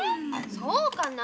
そうかな？